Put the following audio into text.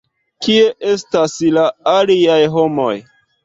Kie estas la aliaj homoj?